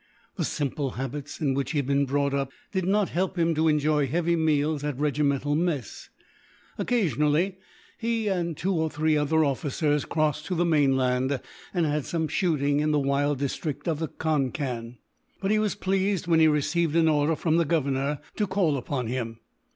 The simple habits, in which he had been brought up, did not help him to enjoy heavy meals at regimental mess. Occasionally he and two or three other officers crossed to the mainland, and had some shooting in the wild district of the Concan. But he was pleased when he received an order, from the Governor, to call upon him.